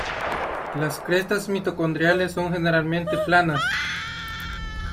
Las crestas mitocondriales son generalmente planas.